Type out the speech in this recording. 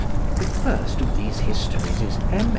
The first of these histories is M.